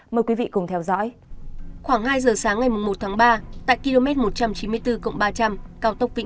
mời quý vị cùng theo dõi